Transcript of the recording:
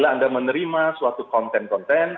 anda menerima suatu konten konten